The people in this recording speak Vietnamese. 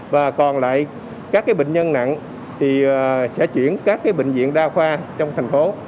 và còn lại các bệnh nhân nặng thì sẽ chuyển các bệnh viện đa khoa trong thành phố